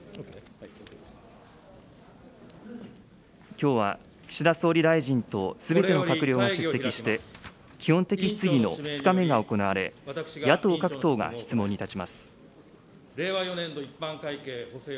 きょうは岸田総理大臣とすべての閣僚が出席して基本的質疑の２日目が行われ、野党各党が質問に立ちます。